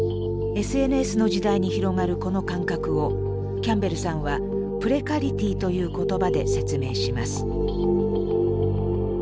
ＳＮＳの時代に広がるこの感覚をキャンベルさんは「ｐｒｅｃａｒｉｔｙ」という言葉で説明します。